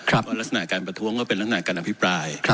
เพราะลักษณะการประท้วงก็เป็นลักษณะการอภิปราย